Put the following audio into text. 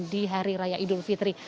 di hari raya idul fitri